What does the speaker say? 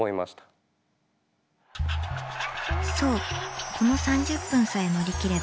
そうこの３０分さえのりきれば大丈夫。